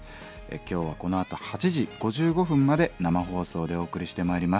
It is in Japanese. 今日はこのあと８時５５分まで生放送でお送りしてまいります。